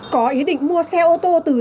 có ý định mua xe ô tô từ tỉnh